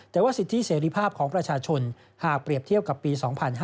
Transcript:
แต่ว่าสิทธิเสรีภาพของประชาชนหากเปรียบเทียบกับปี๒๕๕๙